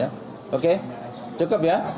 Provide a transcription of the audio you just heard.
ya jumatan terima kasih ya